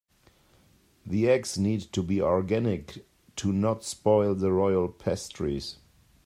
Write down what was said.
The eggs need to be organic to not spoil the royal pastries.